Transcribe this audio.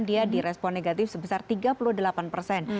dia direspon negatif sebesar tiga puluh delapan persen